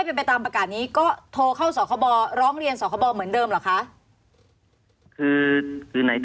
รับรับ